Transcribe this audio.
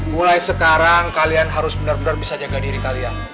mulai sekarang kalian harus benar benar bisa jaga diri kalian